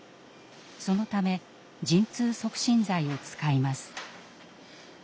そのため陣痛促進剤を使います。